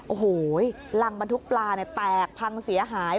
โอ้โหรังบรรทุกปลาแตกพังเสียหาย